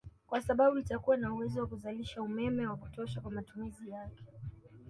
Kwa sababu itakuwa na uwezo wa kuzalisha umeme wa kutosha kwa matumizi yake